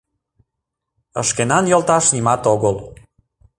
Ышкенан йолташ, нимат огыл.